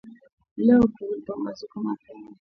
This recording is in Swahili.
Leo kulipambazuka mapema.